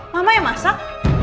mama yang masak